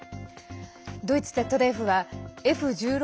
ドイツＺＤＦはＦ１６